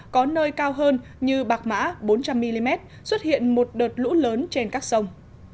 có nơi cao hơn như bạc mã bốn trăm linh mm xuất hiện một đợt lũ lớn trên các sông